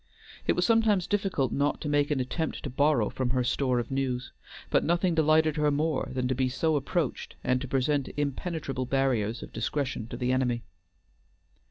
It was sometimes difficult not to make an attempt to borrow from her store of news, but nothing delighted her more than to be so approached, and to present impenetrable barriers of discretion to the enemy.